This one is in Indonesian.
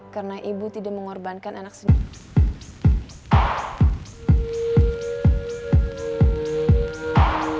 karena ibu tidak mengorbankan anak sendiri